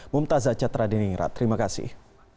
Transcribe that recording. mumtazat cetradini terima kasih